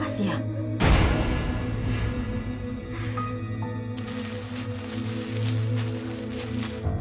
artinya kau takiean kita sendiri